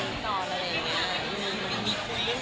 ก็เลยเอาข้าวเหนียวมะม่วงมาปากเทียน